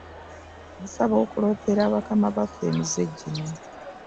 Nsaba kuloopera bakama baffe emize gino.